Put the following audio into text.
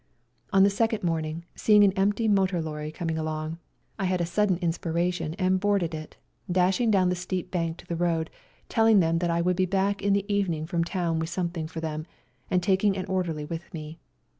On the second morning, seeing an empty motor lorry coming along, I had a sudden inspiration and boarded it, dashing down the steep bank to the road, telling them that I would be back in the evening from town with something for them, and taking an orderly with me.